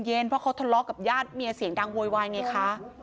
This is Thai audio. เพราะเขาทะเลาะกับญาติเมียเสียงดังโวยวายไงคะ